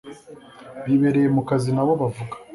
bibereye mukazinabo bavuga